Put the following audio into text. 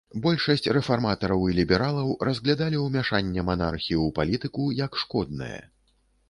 Большасць рэфарматараў і лібералаў разглядалі ўмяшанне манархіі ў палітыку як шкоднае.